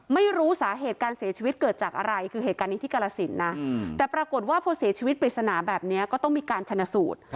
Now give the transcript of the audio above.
ไม่รู้สาเหตุการเสียชีวิตเกิดจากอะไรคือเหตุการณ์นี้ที่กรสินนะแต่ปรากฏว่าพอเสียชีวิตปริศนาแบบนี้ก็ต้องมีการชนะสูตร